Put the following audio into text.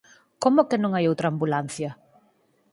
Como que non hai outra ambulancia?